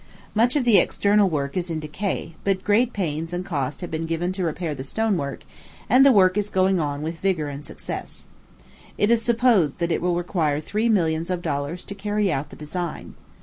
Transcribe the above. Much of the external work is in decay; but great pains and cost have been given to repair the stone work, and the work is going on with vigor and success. It is supposed that it will require three millions of dollars to carry out the design.